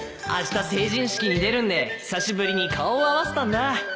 あした成人式に出るんで久しぶりに顔を合わせたんだ